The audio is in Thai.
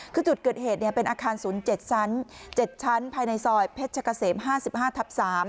คือจุดเกิดเหตุเป็นอาคาร๐๗ชั้น๗ชั้นภายในซอยเพชรกะเสม๕๕ทับ๓